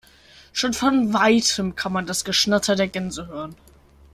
Schon von weitem kann man das Geschnatter der Gänse hören.